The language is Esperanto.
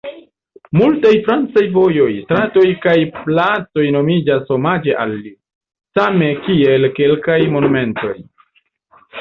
Multaj francaj vojoj, stratoj kaj placoj nomiĝas omaĝe al li, same kiel kelkaj monumentoj.